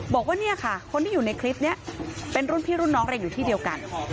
บอกว่าเนี่ยค่ะคนที่อยู่ในคลิปนี้เป็นรุ่นพี่รุ่นน้องเรียนอยู่ที่เดียวกัน